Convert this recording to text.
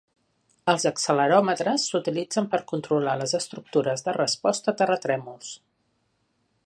Els acceleròmetres s'utilitzen per controlar les estructures de resposta a terratrèmols.